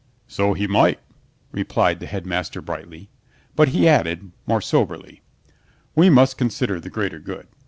"So he might," replied the Headmaster brightly, but he added, more soberly, "We must consider the greater good.